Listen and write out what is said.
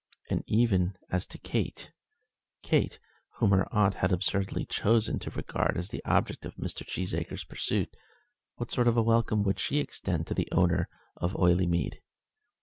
And even as to Kate, Kate, whom her aunt had absurdly chosen to regard as the object of Mr. Cheesacre's pursuit, what sort of a welcome would she extend to the owner of Oileymead?